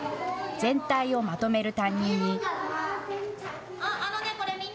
全体をまとめる担任に。